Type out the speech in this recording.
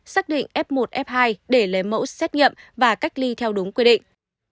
xác định f một f hai để lấy mẫu xét nghiệm và cách ly theo đúng quy định